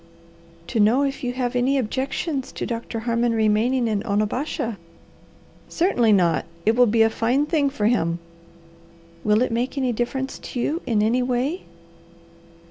"To know if you have any objections to Doctor Harmon remaining in Onabasha?" "Certainly not! It will be a fine thing for him." "Will it make any difference to you in any way?"